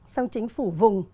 xong chính phủ vùng